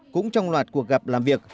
cũng trong loạt cuộc gặp làm việc